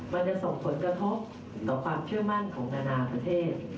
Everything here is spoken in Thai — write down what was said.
มันจะส่งผลกระทบต่อความเชื่อมั่นของนานาประเทศ